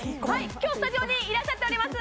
今日スタジオにいらっしゃっております